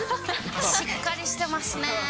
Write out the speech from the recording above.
しっかりしてますね。